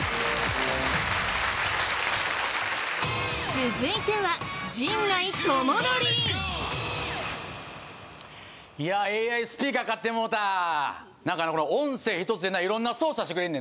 続いてはＡＩスピーカー買ってもうたなんかこれ音声ひとつでな色んな操作してくれんね